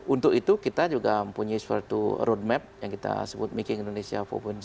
untuk itu kita juga punya suatu road map yang kita sebut making indonesia empat